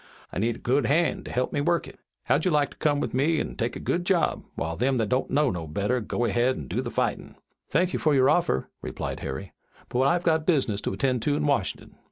I need a good han' to help me work it. How'd you like to come with me an' take a good job, while them that don't know no better go ahead an' do the fightin'?" "Thank you for your offer," replied Harry, "but I've got business to attend to in Washington."